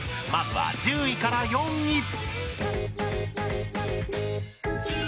まずは１０位から４位。